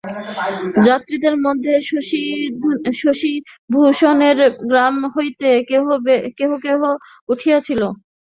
যাত্রীদের মধ্যে শশিভূষণের গ্রাম হইতেও কেহ কেহ উঠিয়াছিল।